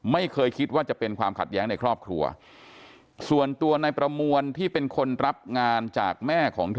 ไม่เคยคิดว่าจะเป็นความขัดแย้งในครอบครัวส่วนตัวนายประมวลที่เป็นคนรับงานจากแม่ของเธอ